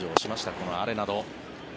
このアレナド。